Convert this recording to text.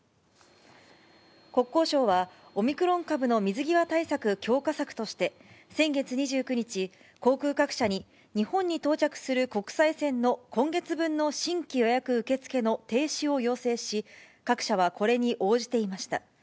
国交省は、オミクロン株の水際対策強化策として、先月２９日、航空各社に日本に到着する国際線の今月分の新規予約受け付けの停止を要請し、各社はこれに応じていました。